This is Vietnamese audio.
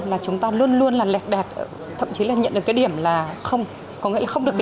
là chúng ta luôn luôn là lẻ đẹp thậm chí là nhận được cái điểm là không có nghĩa là không được